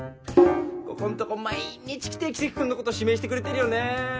ここんとこ毎日来てキセキ君のこと指名してくれてるよね